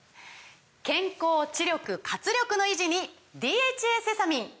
健康・知力・活力の維持に「ＤＨＡセサミン」！